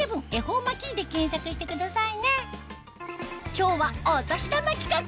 今日はお年玉企画！